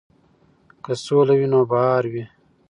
که سوله وي نو بهار وي.